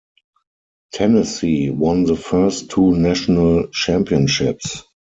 Tennessee won the first two national championships.